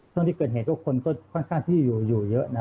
ส่วนที่เกิดเหตุทุกคนก็ค่อนข้างพี่อยู่อยู่เยอะ